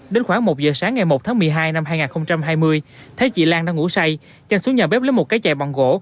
đến khoảng một giờ sáng ngày một tháng một mươi hai năm hai nghìn hai mươi thấy chị lan đã ngủ say chan xuống nhà bếp lấy một cái chạy bằng gỗ